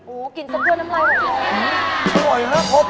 โอ้โฮกินซะเพื่อนน้ำลาย